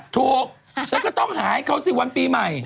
ฉันก็ต้องหาให้เขาสิวันปีใหม่